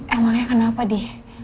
emangnya kenapa di